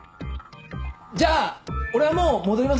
じゃ俺はもう戻りますんで。